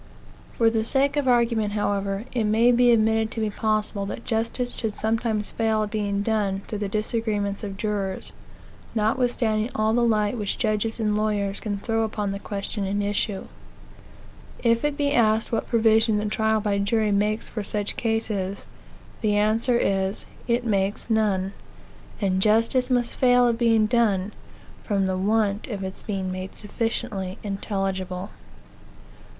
For the sake of the argument, however, it may be admitted to be possible that justice should sometimes fail of being done through the disagreements of jurors, notwithstanding all the light which judges and lawyers can throw upon the question in issue. If it be asked what provision the trial by jury makes for such cases, the answer is, it makes none; and justice must fail of being done, from the want of its being made sufficiently intelligible.